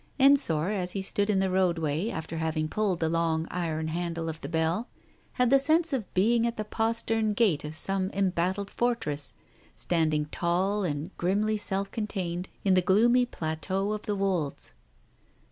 Ensor, as he stood in the road way after having pulled the long iron handle of the bell, had the sense of being at the postern gate of some embattled fortress standing tall and grimly self contained in the gloomy plateau of the Wolds.